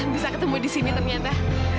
bisa ketemu di sini ternyata